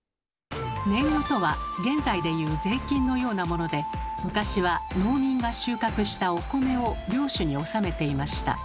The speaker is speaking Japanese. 年貢とは現在でいう税金のようなもので昔は農民が収穫したお米を領主におさめていました。